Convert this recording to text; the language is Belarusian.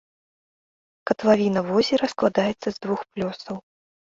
Катлавіна возера складаецца з двух плёсаў.